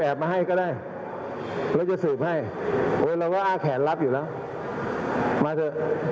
แอบมาให้ก็ได้เราจะสืบให้เราก็อ้าแขนรับอยู่แล้วมาเถอะ